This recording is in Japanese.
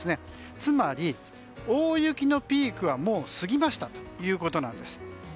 つまり大雪のピークはもう過ぎましたということです。